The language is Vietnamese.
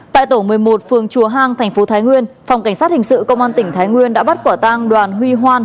tại tổ một mươi một phường chùa hang thành phố thái nguyên phòng cảnh sát hình sự công an tỉnh thái nguyên đã bắt quả tang đoàn huy hoan